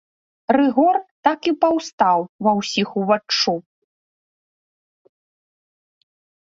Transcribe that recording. Рыгор так і паўстаў ва ўсіх уваччу.